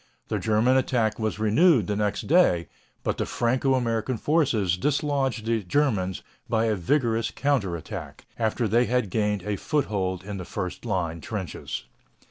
The German attack was renewed the next day, but the Franco American forces dislodged the Germans by a vigorous counter attack, after they had gained a foothold in the first line trenches.